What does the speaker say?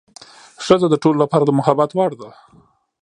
ښځه د ټولو لپاره د محبت وړ ده.